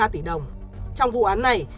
tỷ đồng trong vụ án này